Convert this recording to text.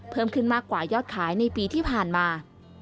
เพิ่มขึ้นมากกว่ายอดขายในปีที่ผ่านมา